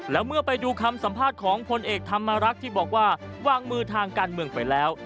แล้วเมื่อไปดูคำสัมภาษณ์ของพลเอกธรรมรักษ์ที่บอกว่าวางมือทางการเมืองไปแล้ว